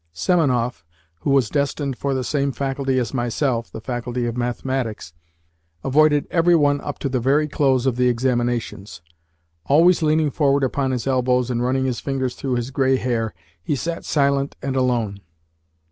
Semenoff (who was destined for the same faculty as myself the faculty of mathematics) avoided every one up to the very close of the examinations. Always leaning forward upon his elbows and running his fingers through his grey hair, he sat silent and alone.